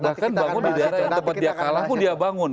bahkan bangun di daerah yang tempat dia kalah pun dia bangun